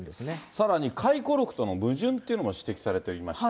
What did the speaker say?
さらに回顧録との矛盾というのも指摘されていまして。